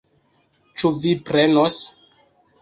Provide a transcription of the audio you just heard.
Ĉu vi prenos?